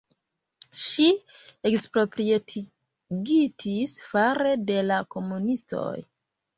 Ŝi eksproprietigits fare de la komunistoj.